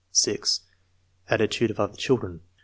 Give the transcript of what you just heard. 0. Attitude of other children.